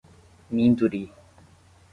Minduri